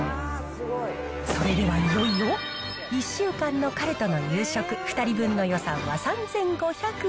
それではいよいよ、１週間の彼との夕食、２人分の予算は３５００円。